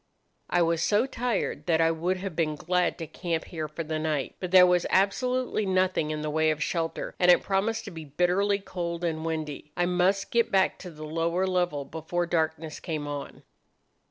"I was so tired that I would have been glad to camp here for the night. But there was absolutely nothing in the way of shelter, and it promised to be bitterly cold and windy. I must get back to the lower level before darkness came on.